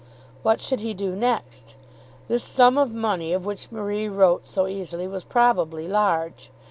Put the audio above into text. What should he do next? This sum of money of which Marie wrote so easily was probably large.